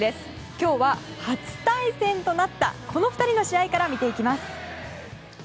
今日は、初対戦となったこの２人の試合から見ていきます。